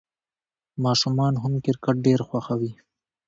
ماشومان هم کرکټ ډېر خوښوي.